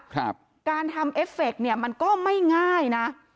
การทำเอฟเฟคเนี่ยมันก็ไม่ง่ายนะ